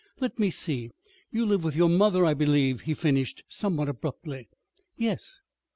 "Let me see, you live with your mother, I believe," he finished somewhat abruptly. "Yes."